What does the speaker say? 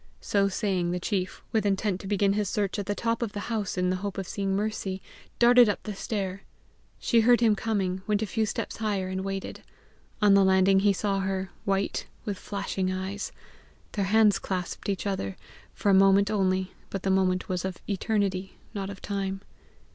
So saying, the chief, with intent to begin his search at the top of the house in the hope of seeing Mercy, darted up the stair. She heard him coming, went a few steps higher, and waited. On the landing he saw her, white, with flashing eyes. Their hands clasped each other for a moment only, but the moment was of eternity, not of time.